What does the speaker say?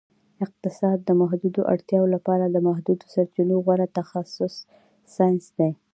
اقتصاد د محدودو اړتیاوو لپاره د محدودو سرچینو غوره تخصیص ساینس دی